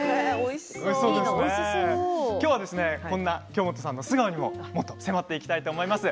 京本さんの素顔にももっと迫っていきたいと思います。